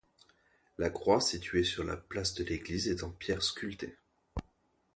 La croix située sur la place de l'église est en pierre sculptée.